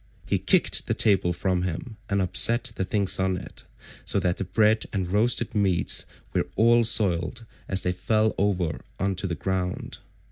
He kicked the table from him and upset the things on it, so that the bread and roasted meats were all soiled as they fell over on to the ground.